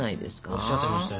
おっしゃってましたよね。